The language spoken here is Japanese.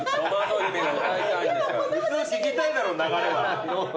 普通聴きたいだろ流れは。